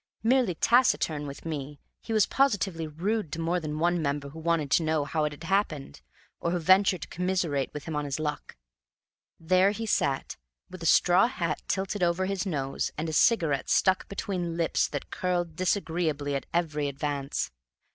Merely taciturn with me, he was positively rude to more than one member who wanted to know how it had happened, or who ventured to commiserate him on his luck; there he sat, with a straw hat tilted over his nose and a cigarette stuck between lips that curled disagreeably at every advance.